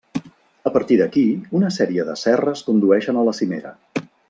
A partir d'aquí, una sèrie de serres condueixen a la cimera.